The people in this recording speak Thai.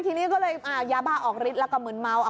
ทีนี้ก็เลยยาบ้าออกฤทธิแล้วก็มึนเมา